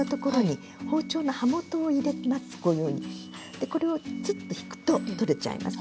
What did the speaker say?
でこれをツッと引くと取れちゃいます。